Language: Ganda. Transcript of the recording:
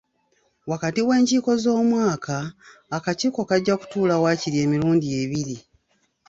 Wakati w'enkiiko z'omwaka, akakiiko kajja kutuula waakiri emirundi ebiri.